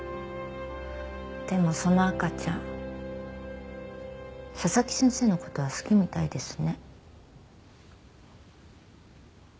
でもその赤ちゃん佐々木先生の事は好きみたいですね。